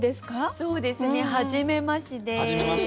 そうですねはじめまして。